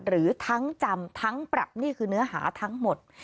หรือทั้งจำทั้งปรับนี่คือเนื้อหาทั้งหมด